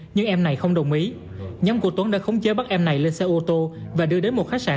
nhưng em này không đồng ý nhóm của tuấn đã khống chế bắt em này lên xe ô tô và đưa đến một khách sạn